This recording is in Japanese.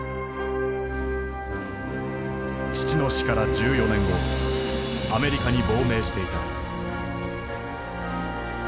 父の死から１４年後アメリカに亡命していた。